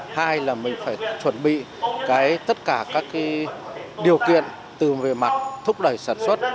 hai là mình phải chuẩn bị tất cả các điều kiện từ về mặt thúc đẩy sản xuất